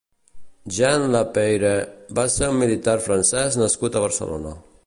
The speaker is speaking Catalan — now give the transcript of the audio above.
Jean Lapeyrère va ser un militar francès nascut a Barcelona.